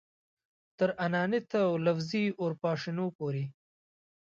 تر انانیت او لفظي اورپاشنو پورې.